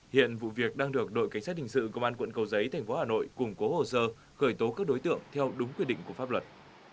hiện vụ việc đang được đội cảnh sát hình sự công an quận cầu giấy thành phố hà nội củng cố hồ sơ khởi tố các đối tượng theo đúng quy định của pháp luật